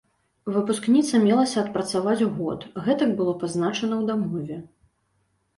Выпускніца мелася адпрацаваць год, гэтак было пазначана ў дамове.